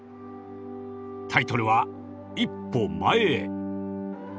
タイトルは「一歩前へ」。